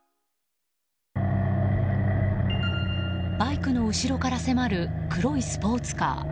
バイクの後ろから迫る黒いスポーツカー。